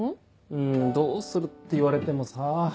うんどうするって言われてもさぁ。